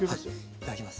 いただきます。